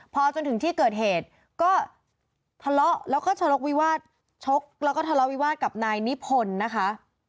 พอจนถึงที่เกิดเหตุก็ทะเลาะแล้วก็ทะเลาะวิวาสชกแล้วก็ทะเลาวิวาสกับนายนิพนธ์นะคะ